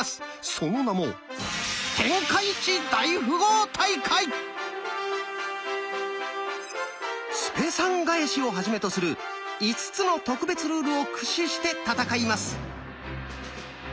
その名も「スぺ３返し」をはじめとする５つの特別ルールを駆使して戦います。